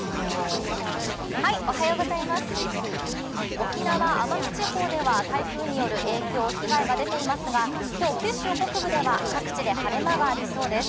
沖縄・奄美地方では台風による影響、被害が出ていますが今日、九州北部では各地で晴れ間がありそうです。